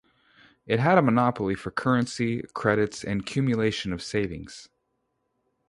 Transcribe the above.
It had a monopoly for currency, credits and cumulation of savings.